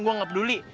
gue gak peduli